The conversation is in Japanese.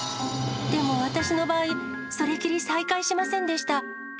でも私の場合、それきり再開しませんでした。